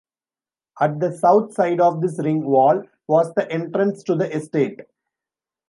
At the south side of this ring wall was the entrance to the estate.